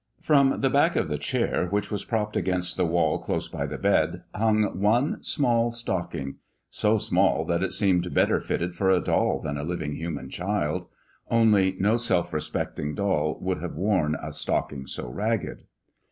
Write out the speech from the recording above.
From the back of the chair, which was propped against the wall close by the bed, hung one small stocking; so small that it seemed better fitted for a doll than a living human child; only no self respecting doll would have worn a stocking so ragged.